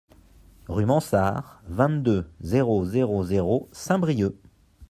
Rue Mansart, vingt-deux, zéro zéro zéro Saint-Brieuc